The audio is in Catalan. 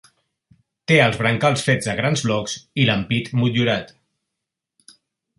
Té els brancals fets de grans blocs i l'ampit motllurat.